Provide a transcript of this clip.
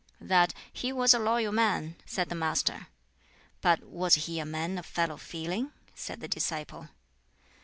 "That he was a loyal man," said the Master. "But was he a man of fellow feeling?" said the disciple.